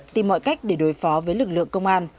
tìm mọi cách để đối phó với lực lượng công an